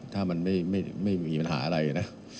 ถ้ามันไม่มีปัญหาอะไรนะ